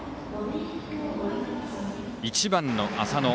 １番の浅野。